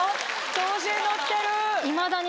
調子に乗ってる！